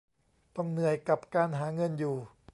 ต้องเหนื่อยกับการหาเงินอยู่